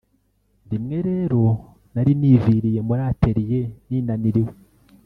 Rimwe rero nari niviriye muri atelier ninaniriwe